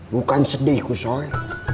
bukan sedih kusoy